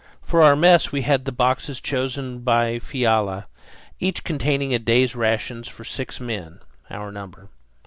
For our mess we had the boxes chosen by Fiala, each containing a day's rations for six men, our number.